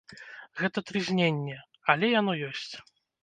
Гэта трызненне, але яно ёсць.